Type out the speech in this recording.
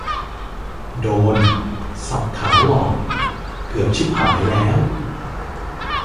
โดน สับขาหลอก เกือบชิบหายแล้ว